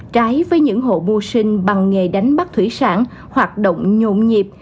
trái với những hộ bu sinh bằng nghề đánh bắt thủy sản hoạt động nhộn nhịp